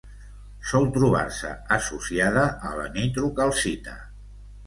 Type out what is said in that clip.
Sol trobar-se associada a la nitrocalcita.